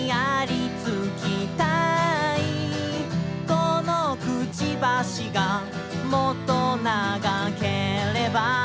「このくちばしがもっと長ければ」